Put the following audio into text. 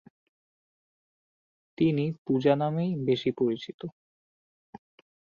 তিনি পূজা নামেই বেশি পরিচিত।